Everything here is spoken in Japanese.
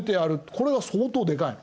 これが相当でかいの。